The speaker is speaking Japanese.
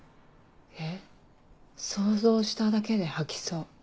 えっ想像しただけで吐きそう。